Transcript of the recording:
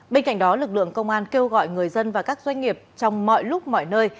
bên cạnh đó lực lượng công an kêu gọi người dân và các doanh nghiệp trong mọi lúc mọi nơi